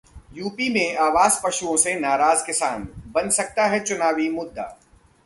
UP में आवारा पशुओं से नाराज किसान, बन सकता है चुनावी मुद्दा